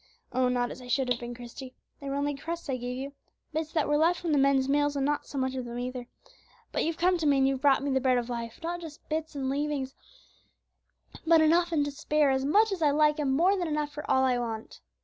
"Oh! not as I should have been, Christie; they were only crusts I gave you, bits that were left from the men's meals, and not so much of them either; but you've come to me and you've brought me the Bread of Life, not just bits and leavings, but enough and to spare, as much as I like, and more than enough for all I want."